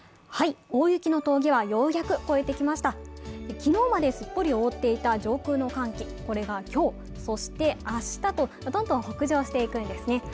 大雪の峠はようやく越えてきました昨日まですっぽり覆っていた上空の寒気これが今日そして明日とどんどん北上していくんですね